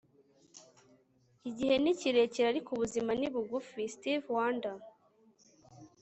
igihe ni kirekire ariko ubuzima ni bugufi. - stevie wonder